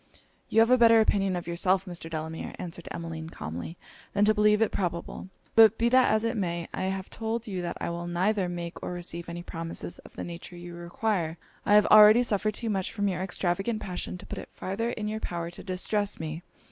'You have a better opinion of yourself, Mr. Delamere,' answered Emmeline, calmly, 'than to believe it probable. But be that as it may, I have told you that I will neither make or receive any promises of the nature you require. I have already suffered too much from your extravagant passion to put it farther in your power to distress me.